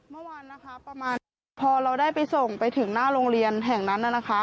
เมื่อวานนะคะประมาณพอเราได้ไปส่งไปถึงหน้าโรงเรียนแห่งนั้นน่ะนะคะ